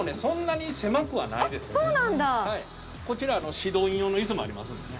こちら指導員用のイスもありますんでね。